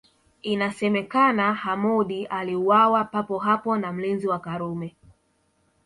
Inasemekana Hamoud aliuawa papo hapo na mlinzi wa Karume